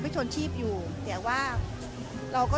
รวมไปถึงจะมีการจุดเทียนด้วยในข้ามคืนนี้